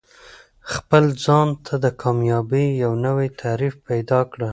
خپل ځان ته د کامیابۍ یو نوی تعریف پیدا کړه.